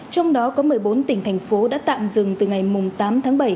trong đó có một mươi bốn tỉnh thành phố đã tạm dừng từ ngày tám tháng bảy